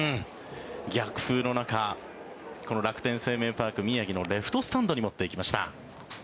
逆風の中この楽天生命パーク宮城のレフトスタンドに持っていきました。